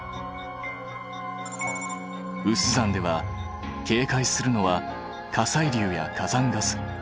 有珠山ではけいかいするのは火砕流や火山ガス。